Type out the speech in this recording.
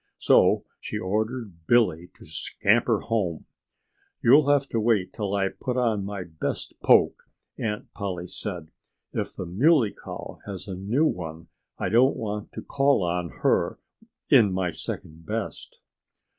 So she ordered Billy to scamper home. "You'll have to wait till I put on my best poke," Aunt Polly said. "If the Muley Cow has a new one I don't want to call on her in my second best."